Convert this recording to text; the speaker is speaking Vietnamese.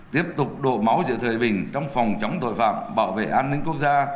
tiếp tục đổ máu giữa thời bình trong phòng chống tội phạm bảo vệ an ninh quốc gia